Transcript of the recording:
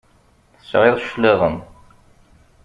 Tesɛiḍ cclaɣem!